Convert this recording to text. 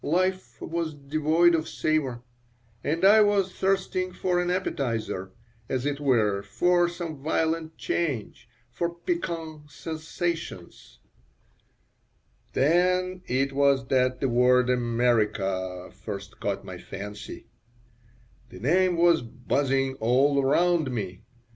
Life was devoid of savor, and I was thirsting for an appetizer, as it were, for some violent change, for piquant sensations Then it was that the word America first caught my fancy The name was buzzing all around me.